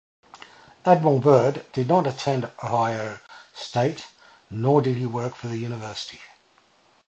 Admiral Byrd did not attend Ohio State nor did work for the university.